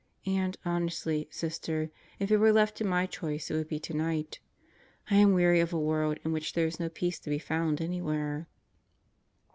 And honestly, Sister, if it were left to my choice it would be tonight. I am weary of a world in which there is no peace to be found anywhere.